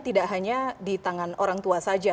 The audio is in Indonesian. tidak hanya di tangan orang tua saja